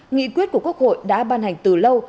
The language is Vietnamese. nghị quyết của quốc hội đã ban hành từ lâu